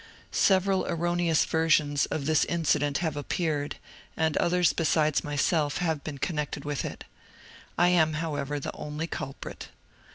Several erroneous versions of this incident have appeared, and others besides myself have been connected with it. I am, however, the only culprit.